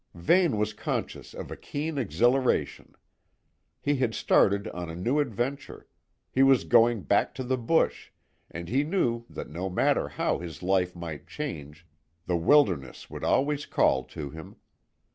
Vane was conscious of a keen exhilaration. He had started on a new adventure; he was going back to the bush, and he knew that no matter how his life might change, the wilderness would always call to him.